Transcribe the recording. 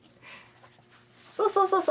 そうそうそうそう。